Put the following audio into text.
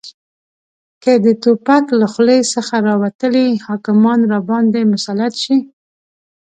که د توپک له خولې څخه راوتلي حاکمان راباندې مسلط شي